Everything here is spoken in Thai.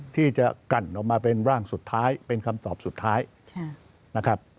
ที่จะกลั่นออกมาเป็นร่างสุดท้ายเป็นคำตอบสุดท้ายนะครับ